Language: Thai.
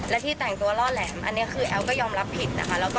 และที่แต่งตัวล่อแหลมอันนี้คือแอลก็ยอมรับผิดนะคะ